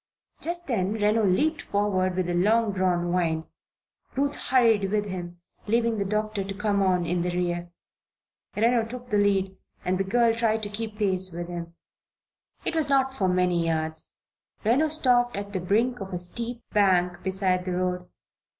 Just then Reno leaped forward with a long drawn whine. Ruth hurried with him, leaving the doctor to come on in the rear. Reno took the lead and the girl tried to keep pace with him. It was not for many yards. Reno stopped at the brink of a steep bank beside the road.